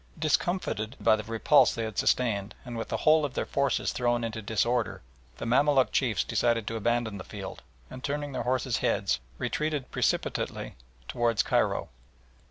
Discomfited by the repulse they had sustained and with the whole of their forces thrown into disorder, the Mamaluk chiefs decided to abandon the field, and turning their horses' heads retreated precipitately towards Cairo.